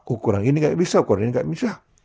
ukuran ini tidak bisa